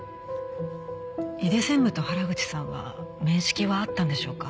井出専務と原口さんは面識はあったんでしょうか？